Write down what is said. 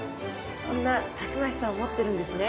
そんなたくましさを持ってるんですね。